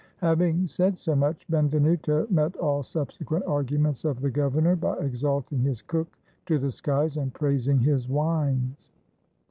Having said so much, Benvenuto met all subsequent arguments of the governor by exalting his cook to the skies, and praising his wines.